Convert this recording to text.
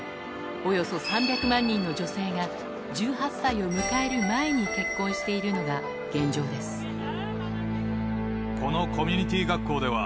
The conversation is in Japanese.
およそ３００万人の女性が１８歳を迎える前に結婚しているのが現このコミュニティー学校では、